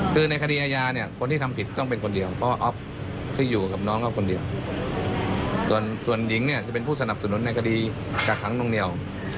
ส่วนหญิงเนี่ยจะเป็นผู้สนับสนุนในการกัดีกักขังหนุ่งเหนี่ยว